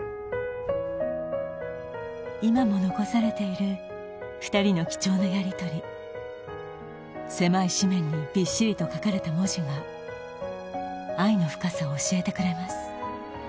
今も残されている二人の貴重なやりとり狭い紙面にびっしりと書かれた文字が愛の深さを教えてくれます